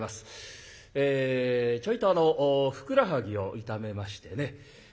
ちょいとあのふくらはぎを痛めましてね